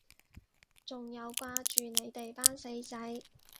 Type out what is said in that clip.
仲有掛住你哋班死仔